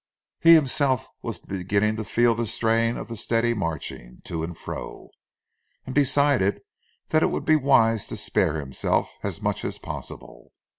He himself was beginning to feel the strain of the steady marching to and fro, and decided that it would be wise to spare himself as much as possible.